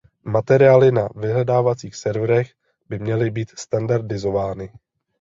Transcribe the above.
Materiály na vyhledávacích serverech by měly být standardizovány.